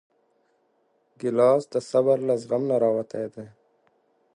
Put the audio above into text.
ګیلاس د صبر له زغم نه راوتی دی.